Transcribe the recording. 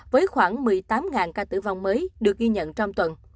với khoảng một mươi tám ca tử vong